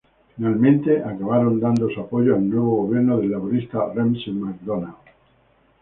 Finalmente, acabaron dando su apoyo al nuevo gobierno del laborista Ramsay MacDonald.